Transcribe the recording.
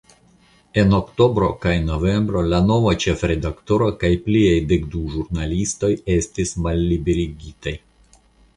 En oktobro kaj novembro la nova ĉefredaktoro kaj pliaj dekdu ĵurnalistoj estis malliberigitaj.